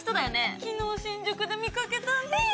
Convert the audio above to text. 昨日新宿で見掛けたんですよ。